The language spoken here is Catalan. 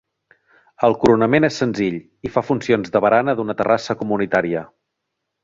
El coronament és senzill i fa funcions de barana d'una terrassa comunitària.